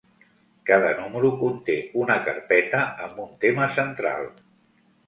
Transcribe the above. Cada número conté una carpeta amb un tema central.